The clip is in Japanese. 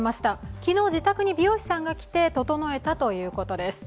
昨日自宅に美容師さんが来て整えたということです。